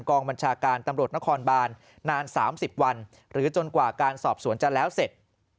กองบัญชาการตำรวจนครบานนาน๓๐วันหรือจนกว่าการสอบสวนจะแล้วเสร็จ